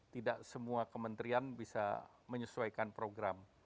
tidak semua kementerian bisa menyesuaikan program